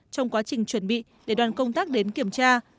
trong quá trình chuẩn bị để đoàn công tác đến kiểm tra